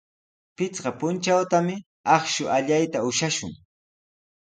Pichqa puntrawtami akshu allayta ushashun.